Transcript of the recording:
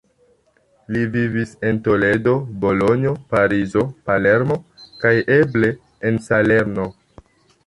Li vivis en Toledo, Bolonjo, Parizo, Palermo kaj eble en Salerno.